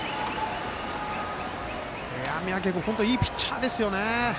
三宅君、本当にいいピッチャーですよね。